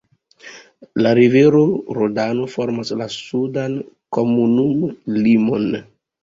La rivero Rodano formas la sudan komunumlimon.